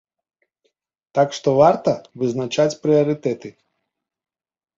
Так што варта вызначаць прыярытэты.